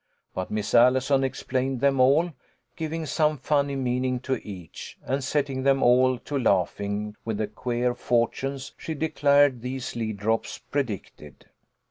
But Miss Allison explained them all, giving some funny meaning to each, and setting them all to laughing with the queer fortunes she declared these lead drops predicted.